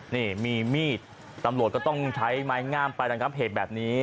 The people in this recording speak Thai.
นี่มีมีดตำรวจก็ต้องใช้ไม้งามไประงับเหตุแบบนี้